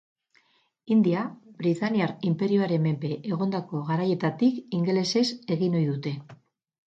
India Britainiar inperioaren menpe egondako garaietatik ingelesez egin ohi dute.